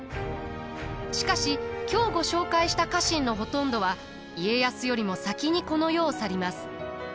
しかし今日ご紹介した家臣のほとんどは家康よりも先にこの世を去ります。